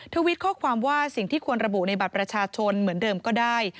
ทวิตข้อความว่าสิ่งที่ควรระบุในบัตรประชาชนเหมือนเดิมก็ได้